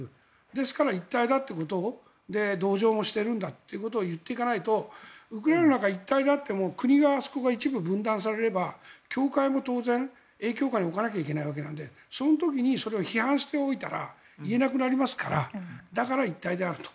ですから一体だということを同情しているんだということを言っていかないとウクライナの中が一体でも国があそこが一部分断されれば教会も当然影響下に置かないといけないわけなのでその時のそれを批判しておいたら言えなくなりますからだから、一体であると。